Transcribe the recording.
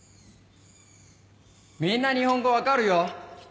みんな日本語分かるよ。